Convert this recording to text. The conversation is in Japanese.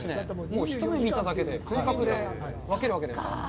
もう一目見ただけで、感覚で分けるわけですか。